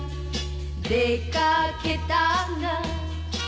「出掛けたが」